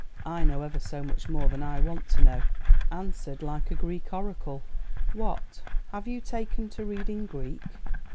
"I know ever so much more than I want to know." "Answered like a Greek oracle." "What, have you taken to reading Greek?"